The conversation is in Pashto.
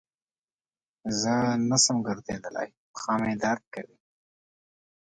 زه نسم ګرځیدلای پښه مي درد کوی.